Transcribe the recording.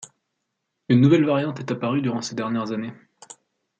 Une nouvelle variante est apparue durant ces dernières années.